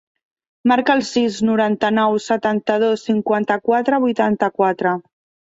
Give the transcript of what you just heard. Marca el sis, noranta-nou, setanta-dos, cinquanta-quatre, vuitanta-quatre.